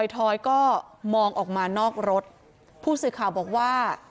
ถอยก็มองออกมานอกรถผู้สื่อข่าวบอกว่า